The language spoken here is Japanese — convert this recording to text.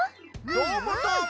どーもどーも！